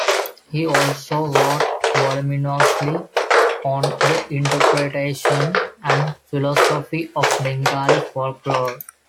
He also wrote voluminously on the interpretation and philosophy of Bengali folklore.